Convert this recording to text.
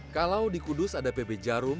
saya sudah berusaha untuk mencari atlet